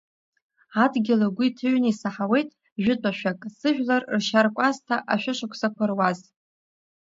Адгьыл агәы иҭыҩны исаҳауеит жәытәашәак, сыжәлар ршьаркәасҭа ашәышықәсақәа руаз.